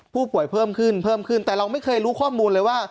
ผู้ป่วยเพิ่มขึ้นเพิ่มขึ้นแต่เราไม่เคยรู้ข้อมูลเลยว่า